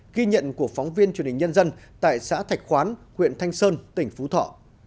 ghi nhận của phóng viên truyền hình nhân dân tại xã thạch khoán huyện thanh sơn tỉnh phú thọ